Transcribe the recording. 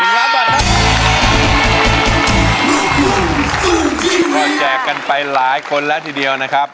ก็แจกกันไปหลายคนแล้วทีเดียวนะครับ